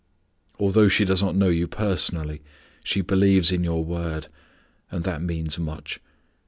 Although she does not know you personally, she believes in your word, and that means much.